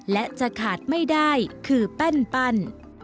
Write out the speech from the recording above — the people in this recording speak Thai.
และจะขาดไม่ได้คือแป้น